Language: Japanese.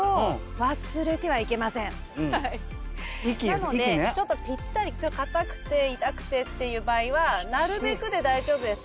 なのでぴったり硬くて痛くてっていう場合はなるべくで大丈夫です。